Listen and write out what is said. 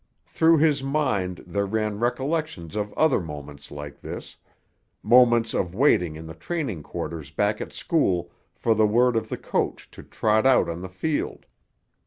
Through his mind there ran recollections of other moments like this—moments of waiting in the training quarters back at school for the word of the coach to trot out on the field.